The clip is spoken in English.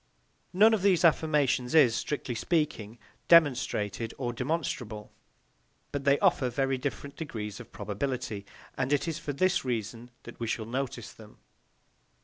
None of these affirmations is, strictly speaking, demonstrated or demonstrable; but they offer very different degrees of probability, and it is for this reason that we shall notice them.